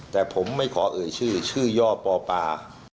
แต่ผมไม่ขอเอ่ยชื่อชื่อย่อปอปา